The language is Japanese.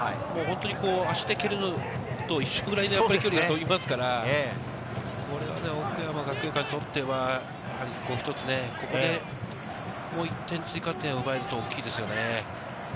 足で蹴るのと一緒くらいの距離飛びますから、これは岡山学芸館にとっては、一つここでもう１点、追加点を奪えると大きいですね。